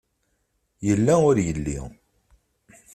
Yella ur yelli.